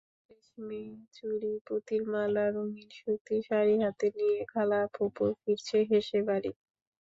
রেশমি চুড়ি, পুঁতির মালা, রঙিন সুতি শাড়িহাতে নিয়ে খালা ফুপু ফিরছে হেসে বাড়ি।